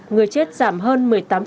người chết giảm hơn một mươi tám